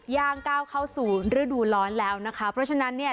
ย่างก้าวเข้าสู่ฤดูร้อนแล้วนะคะเพราะฉะนั้นเนี่ย